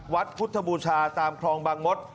วัดพุทธบูชาตามคลองบางมศ